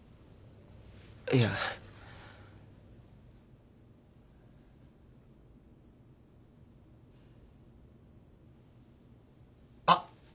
いや。あっ。